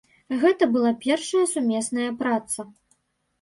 Гэта была першая сумесная праца.